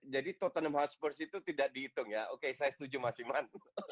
jadi tottenham hotspur itu tidak dihitung ya oke saya setuju mas iman